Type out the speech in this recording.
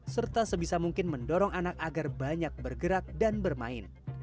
serta sebisa mungkin mendorong anak agar banyak bergerak dan bermain